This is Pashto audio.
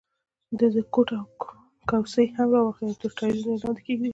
د ده کوټ او کوسۍ هم را واخلئ او تر ټایرونو یې لاندې کېږدئ.